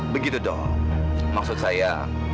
begitu dong maksud saya